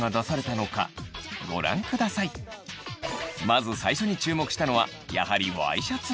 まず最初に注目したのはやはりワイシャツ。